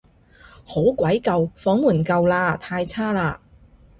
好鬼舊，房門舊嘞，太差嘞